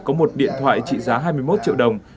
có một điện thoại trị giá hai mươi một triệu đồng